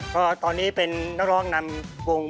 เพราะตอนนี้เปล่าน้องนำกอง